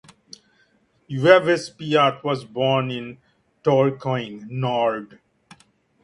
Yves Piat was born in Tourcoing (Nord).